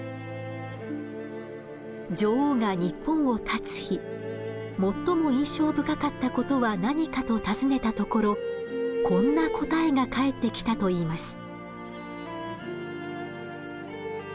女王が日本をたつ日「最も印象深かったことは何か」と尋ねたところこんな答えが返ってきたといいます。